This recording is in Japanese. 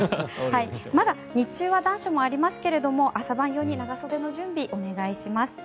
まだ日中は残暑もありますけれども朝晩用に長袖の準備をお願いします。